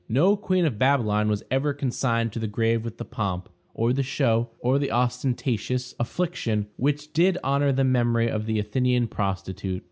No queen of Babylon was ever consigned to the grave with the pomp, or the show, or the ostentatious affliction which did honor to the memory of the Athenian prostitute.